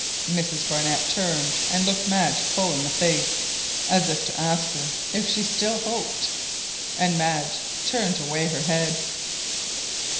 Mrs Barnett turned and looked Madge full in the face, as if to ask her if she still hoped, and Madge turned away her head.